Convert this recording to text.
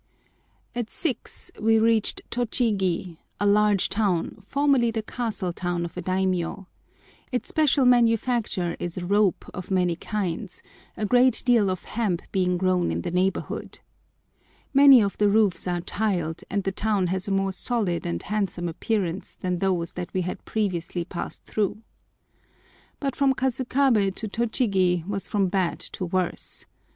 At six we reached Tochigi, a large town, formerly the castle town of a daimiyô. Its special manufacture is rope of many kinds, a great deal of hemp being grown in the neighbourhood. Many of the roofs are tiled, and the town has a more solid and handsome appearance than those that we had previously passed through. But from Kasukabé to Tochigi was from bad to worse.